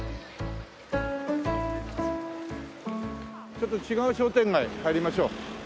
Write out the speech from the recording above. ちょっと違う商店街入りましょう。